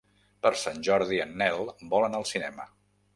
Per Sant Jordi en Nel vol anar al cinema.